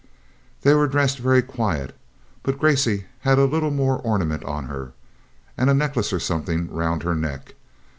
They were dressed very quiet, but Gracey had a little more ornament on her, and a necklace or something round her neck.